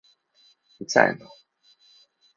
いつ会えんの？